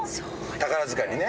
宝塚にね。